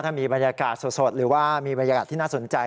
ถ้ามีบรรยากาศสดหรือว่ามีบรรยากาศที่น่าสนใจ